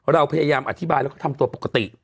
เราพยายามอธิบายแล้วก็ทำตัวปกติ